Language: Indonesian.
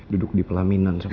duduk di pelaminan sama lo